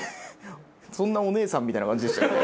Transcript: そんなお姉さんみたいな感じでしたっけ？